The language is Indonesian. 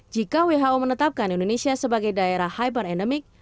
jika who menetapkan indonesia sebagai daerah hyperendemik